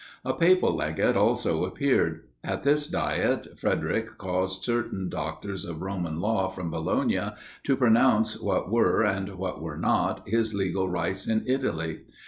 A papal legate also appeared. At this Diet, Frederic caused certain doctors of Roman law from Bologna to pronounce what were, and what were not, his legal rights in Italy.